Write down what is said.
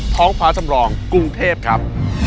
ท้องฟ้าจำลองกรุงเทพครับ